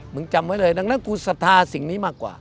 จำไว้เลยดังนั้นกูศรัทธาสิ่งนี้มากกว่า